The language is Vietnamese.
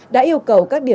đã yêu cầu các điểm